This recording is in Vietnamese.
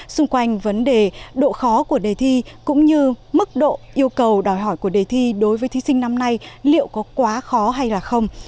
xung quanh vấn đề độ khó của đề thi cũng như mức độ yêu cầu đòi hỏi của đề thi đối với thí sinh năm nay liệu có quá khó hay là không